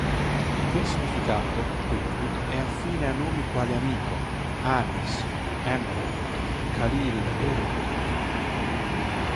Per significato, quindi, è affine a nomi quali Amico, Anis, Emre, Khalil e Rut.